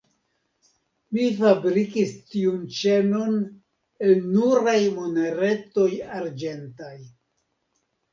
Mi fabrikis tiun ĉenon el nuraj moneretoj arĝentaj.